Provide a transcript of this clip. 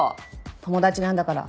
友達なんだから。